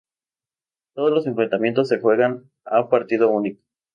Todos los enfrentamientos se juegan a partido único.